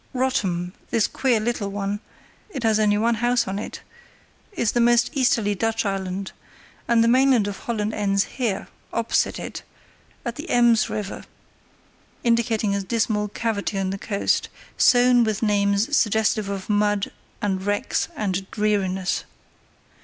"Rottum—this queer little one—it has only one house on it—is the most easterly Dutch island, and the mainland of Holland ends here, opposite it, at the Ems River"—indicating a dismal cavity in the coast, sown with names suggestive of mud, and wrecks, and dreariness.